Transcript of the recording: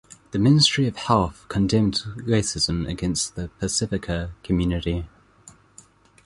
The Ministry of Health condemned racism against the Pasifika community.